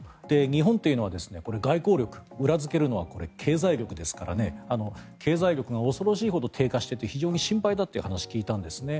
日本というのは外交力を裏付けるのは経済力ですから、経済力が恐ろしいほど低下していて非常に心配だという話を聞いたんですね。